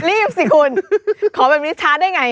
รีบสิคุณขอแบบนี้ช้าได้ไง